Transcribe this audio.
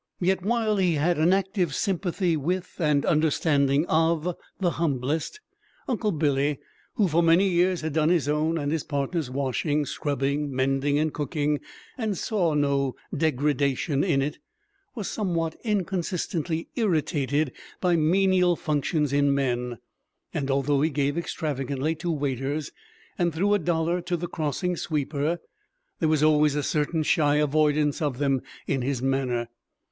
Yet while he had an active sympathy with and understanding of the humblest, Uncle Billy, who for many years had done his own and his partner's washing, scrubbing, mending, and cooking, and saw no degradation in it, was somewhat inconsistently irritated by menial functions in men, and although he gave extravagantly to waiters, and threw a dollar to the crossing sweeper, there was always a certain shy avoidance of them in his manner.